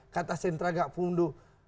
kata sentra gak punduh